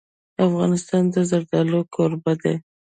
افغانستان د زردالو کوربه دی.